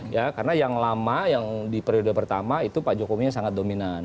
ya karena yang lama yang di periode pertama itu pak jokowinya sangat dominan